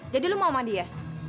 jadi lu mau sama dia